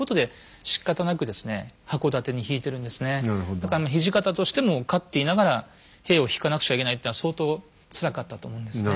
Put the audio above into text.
だから土方としても勝っていながら兵をひかなくちゃいけないっていうのは相当つらかったと思うんですね。